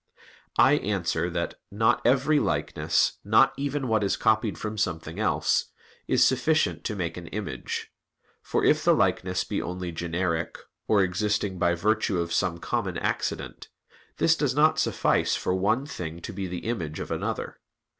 I answer that, Not every likeness, not even what is copied from something else, is sufficient to make an image; for if the likeness be only generic, or existing by virtue of some common accident, this does not suffice for one thing to be the image of another.